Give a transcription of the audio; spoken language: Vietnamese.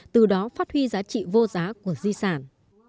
từ đó phát huy giá trị vô giá của di sản